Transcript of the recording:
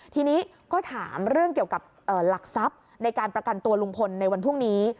ทีนี้ก็ถามเรื่องเกี่ยวกับหลักทรัพย์ในการประกันตัวลุงพลในวันพรุ่งนี้